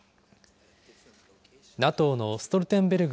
ＮＡＴＯのストルテンベルグ